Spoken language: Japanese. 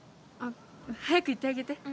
あっ早く行ってあげて。